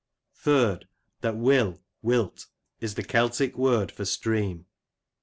Thirdly, That will (UiUt) is the Celtic word for stream.